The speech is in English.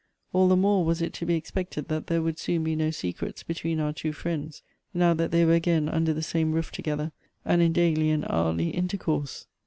All the more was it to be expected that there would soon be no secrets between our two friends, now that they were again under the same roof together, and in daily and hourly intercourse.